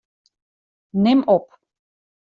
Nim op.